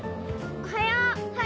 おはよう！